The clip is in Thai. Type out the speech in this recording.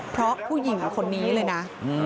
เพราะผู้หญิงคนนี้เลยนะ